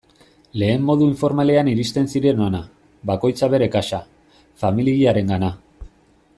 Lehen modu informalean iristen ziren hona, bakoitza bere kasa, familiarengana...